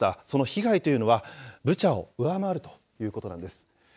その被害というのは、ブチャを上回るということなんです。